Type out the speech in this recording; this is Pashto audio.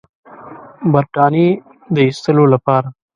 برټانیې د ایستلو لپاره.